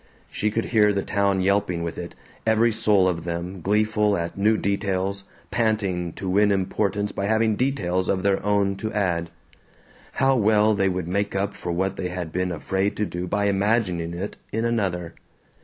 She could hear the town yelping with it, every soul of them, gleeful at new details, panting to win importance by having details of their own to add. How well they would make up for what they had been afraid to do by imagining it in another!